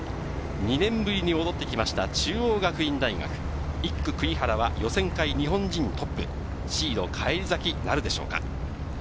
２年ぶりに戻ってきました中央学院大学、１区・栗原は予選会日本人トップ、シード返り咲きなるでしょうか。